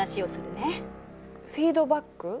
フィードバック？